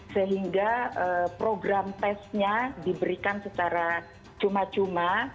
sehingga program tesnya diberikan secara cuma cuma